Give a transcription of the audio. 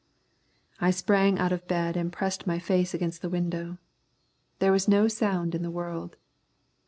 I sprang out of bed and pressed my face against the window. There was no sound in the world.